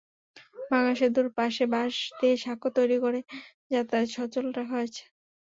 ভাঙা সেতুর পাশে বাঁশ দিয়ে সাঁকো তৈরি করে যাতায়াত সচল রাখা হয়েছে।